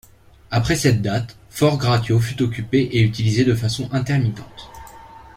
Après cette date, fort Gratiot fut occupé et utilisé de façon intermittente.